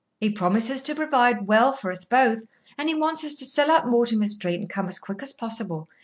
He promises to provide well for us both, and he wants us to sell up Mortimer Street, and come as quick as possible.